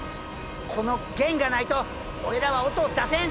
この弦がないと俺らは音を出せん！